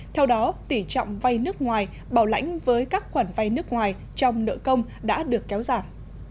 theo đó tỷ trọng vay nước ngoài bảo lãnh với các khoản vay nước ngoài trong nợ công đã được kéo giảm